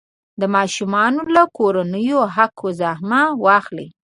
د ماشومانو له کورنیو حق الزحمه واخلي.